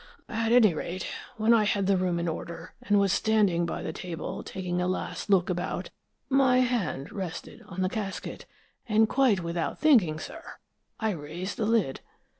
"At any rate, when I had the room in order, and was standing by the table taking a last look about, my hand rested on the casket, and quite without thinking, sir, I raised the lid.